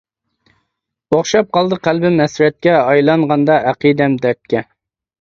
ئوخشاپ قالدى قەلبىم ھەسرەتكە، ئايلانغاندا ئەقىدەم دەردكە.